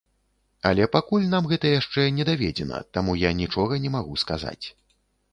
Але пакуль нам гэта яшчэ не даведзена, таму я нічога не магу сказаць.